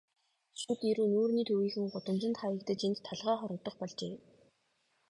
Шүд эрүү нүүрний төвийнхөн гудамжинд хаягдаж, энд толгой хоргодох болжээ.